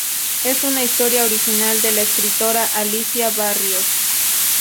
Es una historia original de la escritora Alicia Barrios.